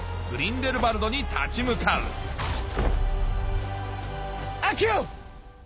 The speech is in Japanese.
グリンデルバルドに立ち向かうアクシオ！